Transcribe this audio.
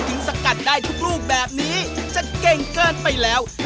สกัดได้ทุกลูกแบบนี้จะเก่งเกินไปแล้ว